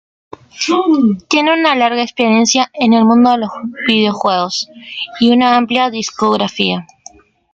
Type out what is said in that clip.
Tiene una larga experiencia en el mundo de los videojuegos y una amplia discografía.